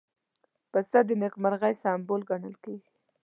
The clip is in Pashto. پسه د نېکمرغۍ سمبول ګڼل کېږي.